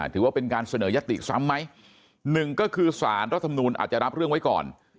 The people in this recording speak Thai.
ถือว่าเป็นการเสนอยติซ้ำไหมหนึ่งก็คือสารรัฐมนูลอาจจะรับเรื่องไว้ก่อน